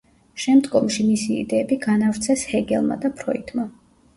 შემდგომში მისი იდეები განავრცეს ჰეგელმა და ფროიდმა.